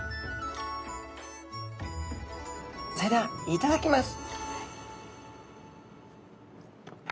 それではいただきます。